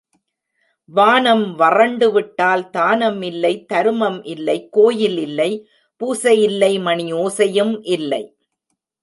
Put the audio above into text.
வானம் வறண்டுவிட்டால் தானம் இல்லை தருமம் இல்லை கோயில் இல்லை பூசை இல்லை மணி ஓசையும் இல்லை.